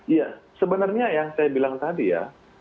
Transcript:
iya sebenarnya yang saya bilang tadi ya